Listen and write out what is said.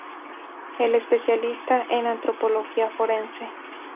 Es especialista en Antropología Forense.